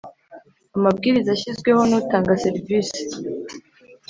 amabwiriza ashyizweho n’ utanga serivisi